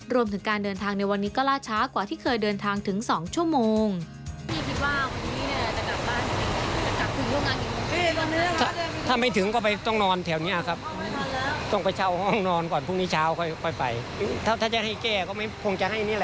รวมถึงการเดินทางในวันนี้ก็ล่าช้ากว่าที่เคยเดินทางถึง๒ชั่วโมง